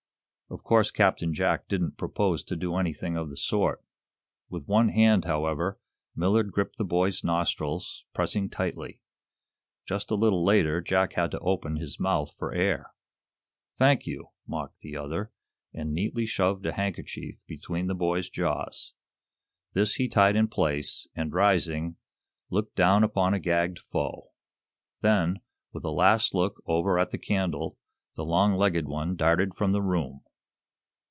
Of course Captain Jack didn't propose to do anything of the sort. With one hand, however, Millard gripped the boy's nostrils, pressing tightly. Just a little later Jack had to open his mouth for air. "Thank you," mocked the other, and neatly shoved a handkerchief between the boy's jaws. This he tied in place, and rising, looked down upon a gagged foe. Then, with a last look over at the candle, the long legged one darted from the room.